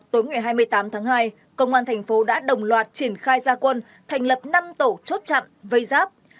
tối ngày hai mươi tám tháng hai công an thành phố đã đồng loạt triển khai gia quân thành lập năm tổ chốt chặn vây giáp